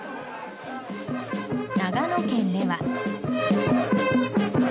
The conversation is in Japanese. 長野県では。